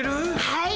はい。